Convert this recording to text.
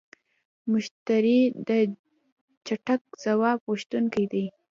مشتری د چټک ځواب غوښتونکی دی.